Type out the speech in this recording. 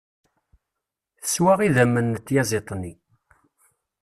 Teswa idammen n tyaẓiḍt-nni.